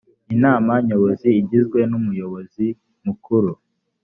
inama nyobozi igizwe n umuyobozi mukuru